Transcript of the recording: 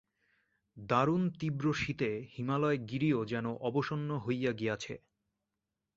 দারুণ তীব্র শীতে হিমালয়গিরিও যেন অবসন্ন হইয়া গিয়াছে।